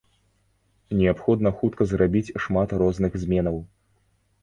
Неабходна хутка зрабіць шмат розных зменаў.